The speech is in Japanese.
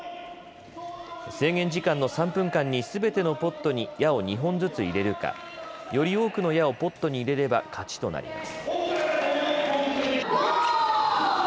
制限時間の３分間にすべてのポットに矢を２本ずついれるかより多くの矢をポットに入れれば勝ちとなります。